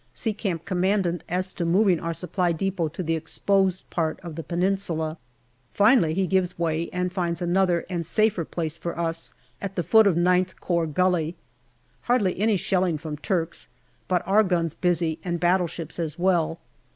See Camp Commandant as to moving our Supply depot to the ex posed part of the Peninsula. Finally he gives way, and finds another and safer place for us at the foot of IX Corps Gully. Hardly any shelling from Turks, but our guns busy and battleships as well.